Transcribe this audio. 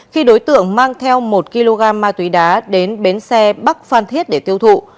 khi đối tượng mang theo một kg ma túy đá đến bến xe bắc phan thiết để tiêu thụ